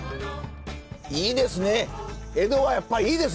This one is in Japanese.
いいですね！